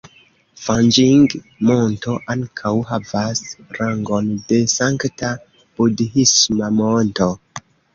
Fanĝing-Monto ankaŭ havas rangon de sankta budhisma monto.